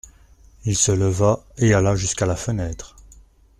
Il se leva et alla jusqu’à la fenêtre.